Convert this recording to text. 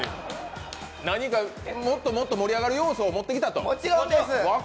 何かもっともっと盛り上がる要素を持ってきたと？